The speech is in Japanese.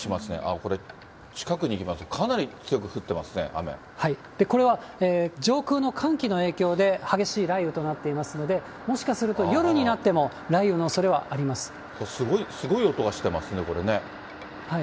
これ近くに行きますと、かなり強これは上空の寒気の影響で、激しい雷雨となっていますので、もしかすると夜になっても、すごい、すごい音がしてますね、これね。